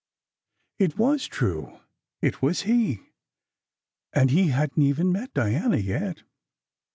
It was true ! It was he ! And be hadn t even met Diana yet.